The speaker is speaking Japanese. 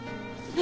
え？